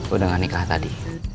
udang hanikah tadi